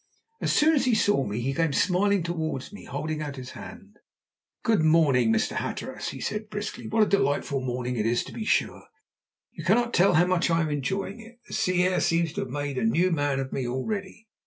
As soon as he saw me, he came smiling towards me, holding out his hand. "Good morning, Mr. Hatteras," he said briskly; "what a delightful morning it is, to be sure. You cannot tell how much I am enjoying it. The sea air seems to have made a new man of me already."